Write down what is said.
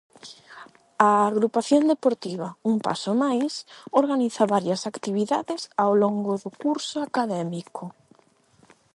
A agrupación deportiva "Un paso máis" organiza varias actividades ao longo do curso académico.